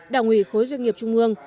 đảng quỳ khối doanh nghiệp trung ương